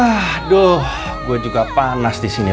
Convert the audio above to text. aduh gue juga panas disini